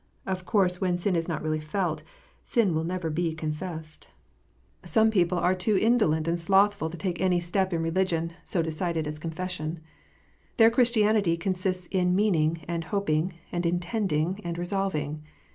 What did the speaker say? Of course, when sin is not really felt, sin will never be confessed ! CONFESSION. 263 Some people are too indolent and slothful to take any step in religion so decided as confession. Their Christianity consists in meaning, and hoping, and intending, and resolving.